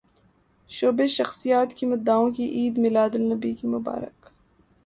showbiz شخصیات کی مداحوں کو عید میلاد النبی کی مبارکباد